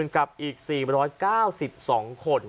๖๐๐๐๐กับอีก๔๙๒คน